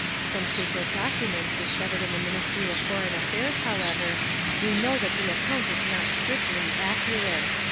From secret documents discovered in the Ministry of Foreign Affairs, however, we know that the account is not strictly accurate.